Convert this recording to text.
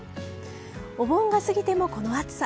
お盆が過ぎても、この暑さ。